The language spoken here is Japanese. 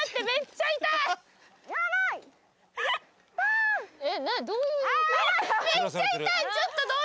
めっちゃ痛いちょっと！